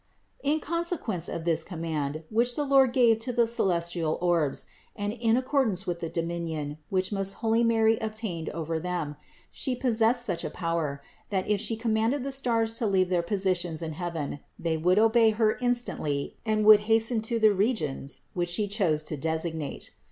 43. In consequence of this command, which the Lord gave to the celestial orbs and in accordance with the dominion which most holy Mary obtained over them, She possessed such power, that if She commanded the stars to leave their positions in heaven, they would obey Her instantly and would hasten to the regions which She chose to designate.